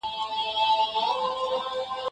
یوازي له منصور سره لیکلی وو ښاغلی